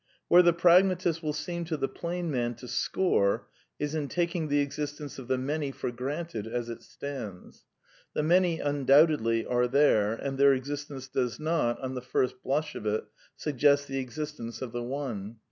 Where the pragmatist will seem to the plain man to score is in taking the existence of the Many for granted ' "as it stands." The Many undoubtedly are there, and <::3 ^their existence does not, on the first blush of it, suggest the existence of the One.